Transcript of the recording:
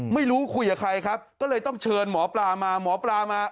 คุยกับใครครับก็เลยต้องเชิญหมอปลามาหมอปลามา